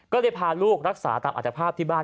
ก็เลยพาลูกรักษาตามอัตภาพที่บ้าน